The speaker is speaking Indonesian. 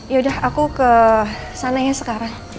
yaudah aku ke sana ya sekarang